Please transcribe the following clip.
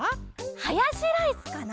ハヤシライスかな！